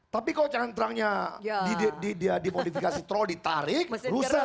tapi kalau cantrangnya dimodifikasi troll ditarik rusak